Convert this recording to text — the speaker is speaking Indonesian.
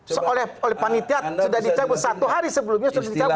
seolah oleh panitia sudah dicabut satu hari sebelumnya sudah dicabut